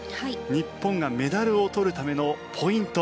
日本がメダルを取るためのポイント